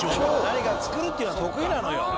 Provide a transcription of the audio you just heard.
何かを作るっていうのが得意なのよ。